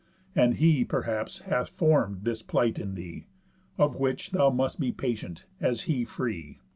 And he, perhaps, hath form'd this plight in thee, Of which thou must be patient, as he free.